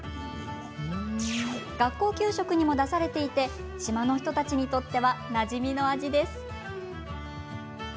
学校給食にも出されていて島の人たちにとってはなじみの味です。